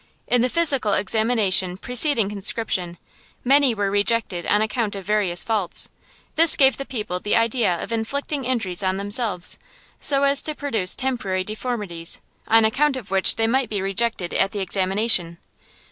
In the physical examination preceding conscription, many were rejected on account of various faults. This gave the people the idea of inflicting injuries on themselves, so as to produce temporary deformities on account of which they might be rejected at the examination.